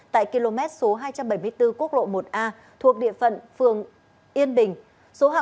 tại km hai trăm bảy mươi bốn quốc lộ một a thuộc địa phận phường yên bình